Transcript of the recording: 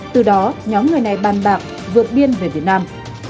từ đó nhóm người này bàn bạc vượt biên về việt nam